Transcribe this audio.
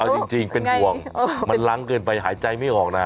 เอาจริงเป็นห่วงมันล้างเกินไปหายใจไม่ออกนะ